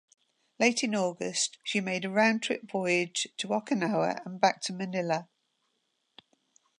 Late in August, she made a round-trip voyage to Okinawa and back to Manila.